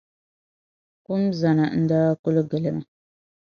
Kum zana n-daa kul gili ma .